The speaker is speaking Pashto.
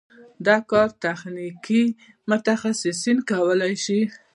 دا کار تخنیکي متخصصین کولی شي.